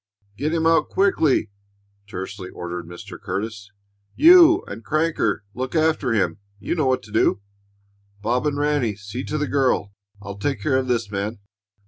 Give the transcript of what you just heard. "Get him out quickly!" tersely ordered Mr. Curtis. "You and Crancher look after him; you know what to do. Bob and Ranny see to the girl! I'll take care of this man.